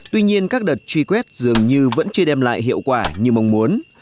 tuy nhiên các đợt truy quét dường như vẫn chưa đem lại hiệu quả như mong muốn